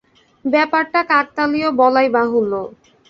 ব্যাপারটা কাকতালীয়, বলাই বাহুল্য।